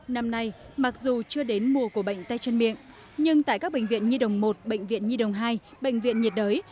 năm nay mặc dù chưa đến mùa của bệnh tay chân miệng nhưng tại các bệnh viện nhi đồng một bệnh viện nhi đồng hai bệnh viện nhiệt đới